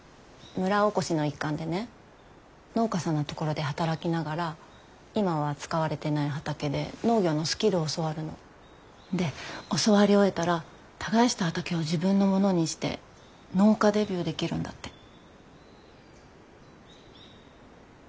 村おこしの一環でね農家さんのところで働きながら今は使われてない畑で農業のスキルを教わるの。で教わり終えたら耕した畑を自分のものにして農家デビューできるんだって。